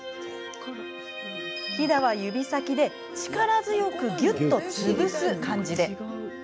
ひだは指先で力強くぎゅっと潰す感じで。